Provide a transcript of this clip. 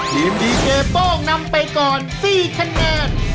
ดีเจโป้งนำไปก่อน๔คะแนน